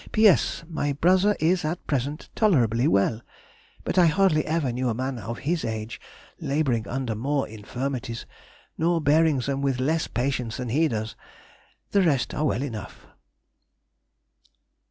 P.S.—My brother is at present tolerably well, but I hardly ever knew a man of his age labouring under more infirmities, nor bearing them with less patience than he does; the rest are well enough!